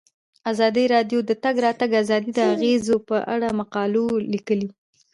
ازادي راډیو د د تګ راتګ ازادي د اغیزو په اړه مقالو لیکلي.